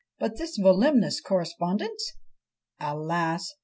But "this voluminous correspondence?" Alas!